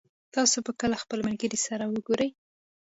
تاسو به کله خپل ملګري سره وګورئ